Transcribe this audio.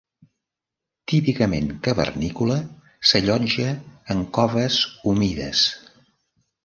Típicament cavernícola, s'allotja en coves humides.